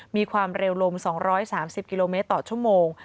มีความเร็วลม๒๓๐กิโลเมตรต่อชั่วโมง